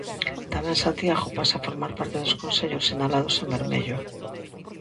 Tamén Santiago pasa a formar parte dos concellos sinalados en vermello.